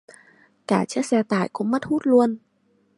Cả chiếc xe tải cũng mất hút luôn